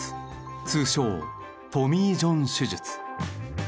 通称トミー・ジョン手術。